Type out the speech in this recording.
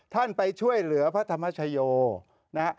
ไปช่วยเหลือพระธรรมชโยนะฮะ